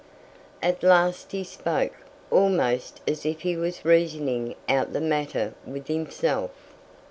At last he spoke, almost as if he was reasoning out the matter with himself.